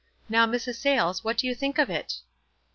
Now, Mrs. Sayles, what do you think of it?"